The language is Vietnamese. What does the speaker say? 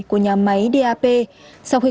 của nhà máy dap sau khi